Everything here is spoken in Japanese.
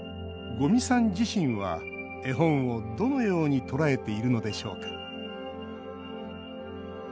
五味さん自身は絵本を、どのように捉えているのでしょうか